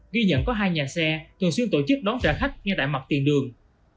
ghi nhận có hai nhà xe thường xuyên tổ chức đón trả khách ngay tại mặt tiền đường